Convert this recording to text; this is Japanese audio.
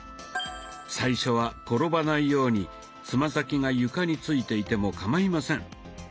最初は転ばないようにつま先が床についていてもかまいません。